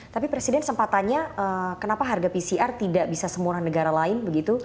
tapi presiden sempat tanya kenapa harga pcr tidak bisa semua negara lain begitu